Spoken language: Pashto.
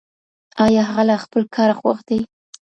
آیا هغه له خپل کاره خوښ دی؟